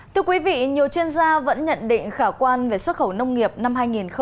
thưa quý vị nhiều chuyên gia vẫn nhận định khả quan về xuất khẩu nông nghiệp năm hai nghìn một mươi chín